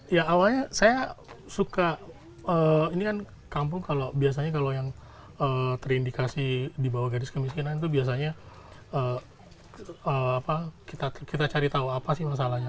ya awalnya saya suka ini kan kampung kalau biasanya kalau yang terindikasi di bawah garis kemiskinan itu biasanya kita cari tahu apa sih masalahnya